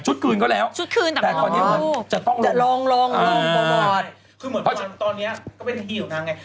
ชุดคืนก็แล้วแต่ตอนนี้เหมือนจะต้องลงลงตอนนี้ก็เป็นทีของนางไง